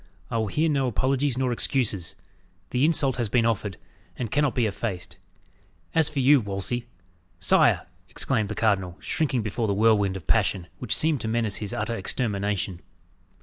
"I will hear no apologies nor excuses. The insult has been offered, and cannot be effaced. As for you, Wolsey " "Sire!" exclaimed the cardinal, shrinking before the whirlwind of passion, which seemed to menace his utter extermination.